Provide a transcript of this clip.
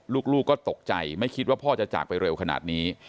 ลูกก็ตกใจไม่คิดว่าพ่อจะจากไปเร็วขนาดนี้